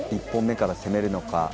１本目から攻めるのか